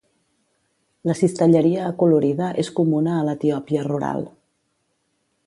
La cistelleria acolorida és comuna a l'Etiòpia rural.